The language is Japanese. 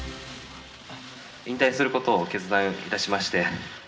引退する事を決断致しまして。